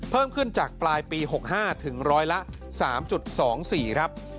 เพิ่มขึ้นจากปลายปี๖๕ถึงร้อยละ๓๒๔ครับ